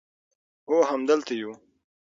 هو همدلته یو